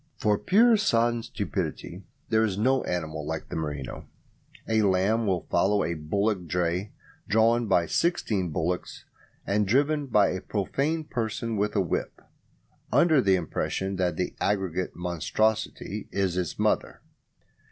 For pure, sodden stupidity there is no animal like the merino. A lamb will follow a bullock dray, drawn by sixteen bullocks and driven by a profane person with a whip, under the impression that the aggregate monstrosity is his mother.